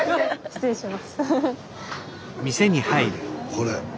これ。